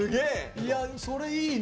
いやそれいいね。